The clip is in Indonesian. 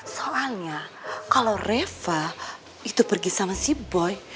soalnya kalau reva itu pergi sama si boy